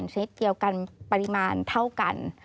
เซตเดียวกันปริมาณเท่ากัน